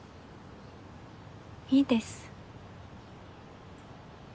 いいです。